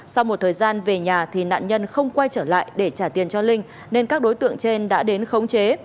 sau một thời gian về nhà thì nạn nhân không quay trở lại để trả tiền cho linh nên các đối tượng trên đã đến khống chế